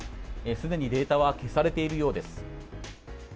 すでにデータは消されているようです。